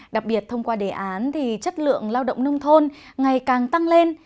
đặc biệt thông qua đề án chất lượng lao động nông thôn ngày càng tăng lên